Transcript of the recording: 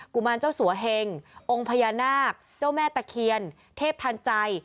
ุมารเจ้าสัวเฮงองค์พญานาคเจ้าแม่ตะเคียนเทพทันใจ